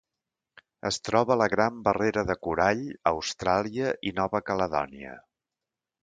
Es troba a la Gran Barrera de Corall a Austràlia i Nova Caledònia.